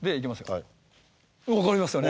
分かりますよね？